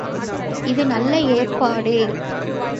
இது நல்ல ஏற்பாடே.